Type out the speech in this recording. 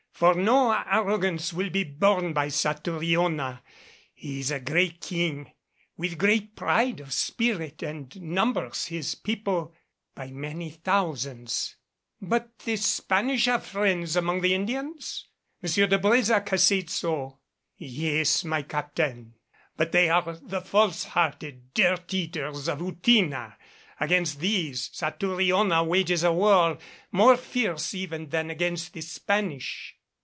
For no arrogance will be borne by Satouriona. He is a great King, with great pride of spirit, and numbers his people by many thousands." "But the Spanish have friends among the Indians? M. de Brésac has said so." "Yes, my Captain. But they are the false hearted, dirt eaters of Outina. Against these, Satouriona wages a war more fierce even than against the Spanish."